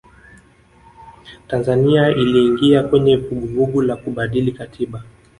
tanzania iliingia kwenye vuguvugu la kubadili katiba